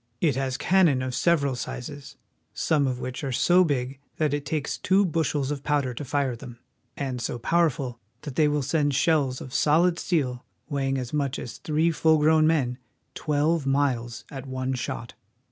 It has cannon of several sizes, some of w^hich are so big that it takes two bushels of pow der to fire them, and so powerful that they will send shells of solid steel, weighing as much as three full grown men, twelve miles at one shot.